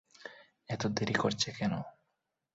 এত দেরি করছে কেন?